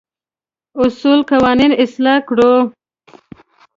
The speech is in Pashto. اصول قوانين اصلاح کړو.